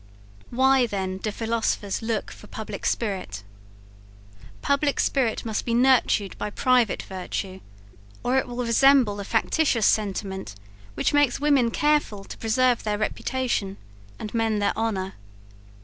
Why then do philosophers look for public spirit? Public spirit must be nurtured by private virtue, or it will resemble the factitious sentiment which makes women careful to preserve their reputation, and men their honour.